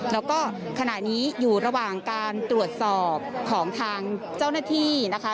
แล้วก็ขณะนี้อยู่ระหว่างการตรวจสอบของทางเจ้าหน้าที่นะคะ